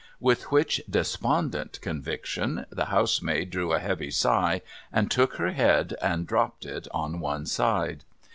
With which despondent conviction, the housemaid drew a heavy sigh, and shook her head, and dropped it on one side.